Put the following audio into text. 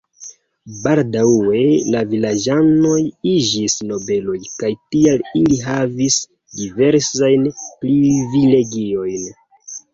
Baldaŭe la vilaĝanoj iĝis nobeloj kaj tial ili havis diversajn privilegiojn.